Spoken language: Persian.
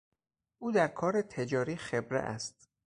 او در کار تجاری خبره است